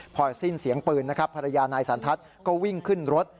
พอสิ้นเสียงปืนนะครับภรรยานายสันทัศน์ก็วิ่งขึ้นรถ